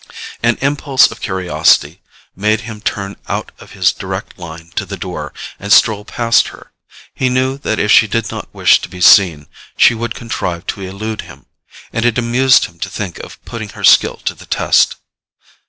An impulse of curiosity made him turn out of his direct line to the door, and stroll past her. He knew that if she did not wish to be seen she would contrive to elude him; and it amused him to think of putting her skill to the test.